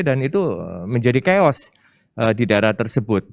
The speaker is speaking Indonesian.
dan itu menjadi chaos di daerah tersebut